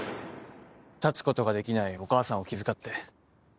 立つことができないお母さんを気遣って。